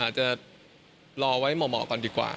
อาจจะรอไว้หม่อก่อนดีกว่า